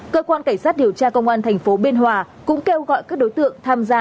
cơ quan cảnh sát điều tra công an thành phố biên hòa cũng kêu gọi các đối tượng tham gia